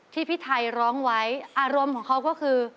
ที่พี่ไทยร้องไว้อารมณ์ของเขาก็คือ